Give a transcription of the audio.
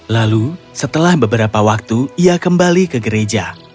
lalu setelah beberapa waktu ia kembali ke gereja